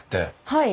はい。